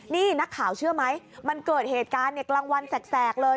นี่นักข่าวเชื่อไหมมันเกิดเหตุการณ์กลางวันแสกเลย